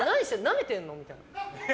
なめてんの？みたいな。